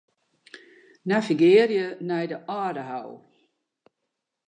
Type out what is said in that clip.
Navigearje nei de Aldehou.